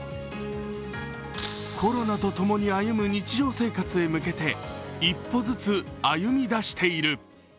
コロナとともに歩む日常生活に向けて一歩ずつ歩みだしている。